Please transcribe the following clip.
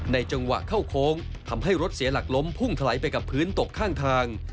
จังหวะเข้าโค้งทำให้รถเสียหลักล้มพุ่งถลายไปกับพื้นตกข้างทาง